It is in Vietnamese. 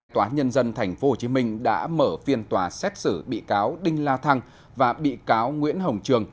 tòa nhân dân tp hcm đã mở phiên tòa xét xử bị cáo đinh la thăng và bị cáo nguyễn hồng trường